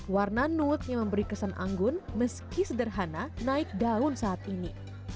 warna note yang memberi kesan anggun meski sederhana naik daun saat ini